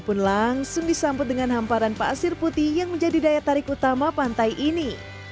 pun langsung disambut dengan hamparan pasir putih yang menjadi daya tarik utama pantai ini